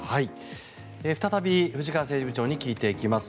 再び藤川政治部長に聞いていきます。